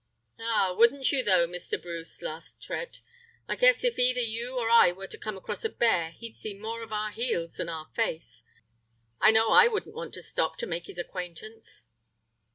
"Ah, wouldn't you though, Mr. Bruce!" laughed Fred. "I guess if either you or I were to come across a bear he'd see more of our heels than our face. I know I wouldn't stop to make his acquaintance."